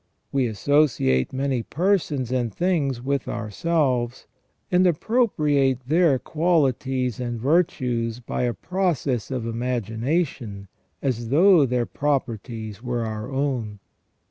We associate many persons and things with ourselves, and appro priate their qualities and virtues by a process of imagination as though their properties were our own.